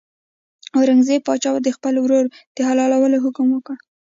اورنګزېب پاچا د خپل ورور د حلالولو حکم وکړ.